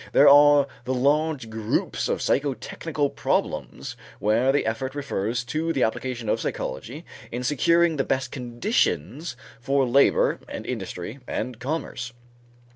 There are the large groups of psychotechnical problems where the effort refers to the application of psychology in securing the best conditions for labor and industry and commerce.